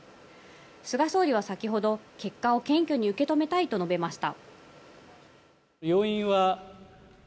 菅総理は先ほど結果を謙虚に受け止めたいと述べました。